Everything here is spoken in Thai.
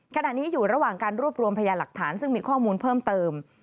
ขณะนี้อยู่ระหว่างการรวบรวมพยาหลักฐานซึ่งมีข้อมูลเพิ่มเติม